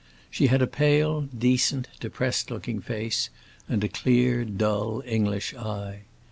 She had a pale, decent, depressed looking face, and a clear, dull, English eye.